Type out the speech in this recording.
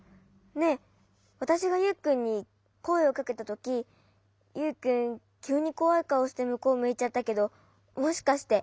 ねえわたしがユウくんにこえをかけたときユウくんきゅうにこわいかおしてむこうむいちゃったけどもしかして。